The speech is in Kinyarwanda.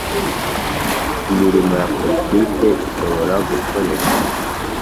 Imirimo ya poritiki ishobora gukorerwa